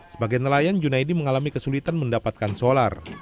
sebagai nelayan junaidi mengalami kesulitan mendapatkan solar